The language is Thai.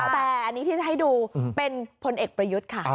แต่อันนี้ที่จะให้ดูเป็นพลเอกประยุทธ์ค่ะ